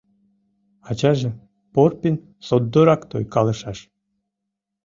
Ачаже, Порпин, содоррак тойкалышаш!